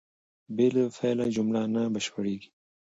بې له فعله جمله نه بشپړېږي.